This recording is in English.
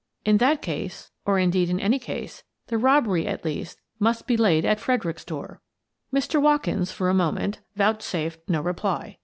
In that case — or, indeed, in any case — the robbery at least must be laid at Fredericks's door." Mr. Watkins, for a moment, vouchsafed no re ply.